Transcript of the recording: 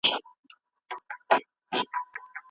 ساینس پوهانو د پلاستیک د له منځه وړلو لار پیدا کړه.